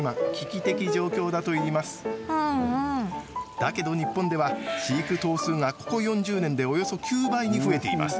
だけど日本では飼育頭数が、ここ４０年でおよそ９倍に増えています。